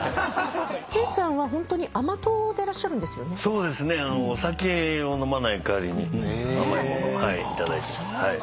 そうですねお酒を飲まない代わりに甘いものいただいてますはい。